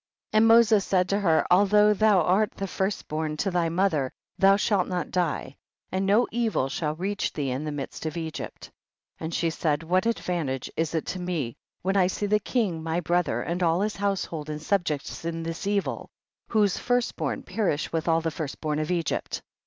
52. And Moses said to her, al though thou art the first born to thy mother, thou shall not die, and no evil shall reach thee in the midst of Egypt. 53. And she said, what advantage is it to me, when I see the king, my brother, and all his household and subjects in this evil, whose first born perish with all the first born of Egypt?